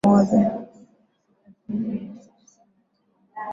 Mwaka wa elfu moja mia tisa hamsini na moja